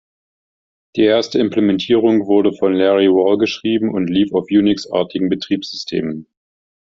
Die erste Implementierung wurde von Larry Wall geschrieben und lief auf Unix-artigen Betriebssystemen.